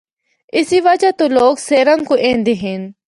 اسی وجہ تو لوگ سیرا کو ایندے ہن۔